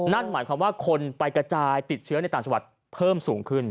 นั่นหมายความว่าคนไปกระจายติดเชื้อในต่างจังหวัดเพิ่มสูงขึ้น